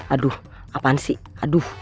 aduh apaan sih aduh